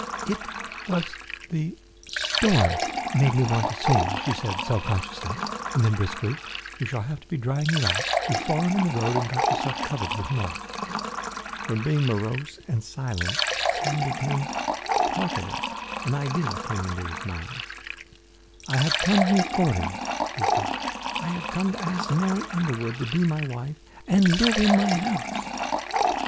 "It was the storm made me want to sing," she said self consciously, and then briskly, "we shall have to be drying you out; you have fallen in the road and got yourself covered with mud." From being morose and silent Sam became talkative. An idea had come into his mind. "I have come here courting," he thought; "I have come to ask Mary Underwood to be my wife and live in my house."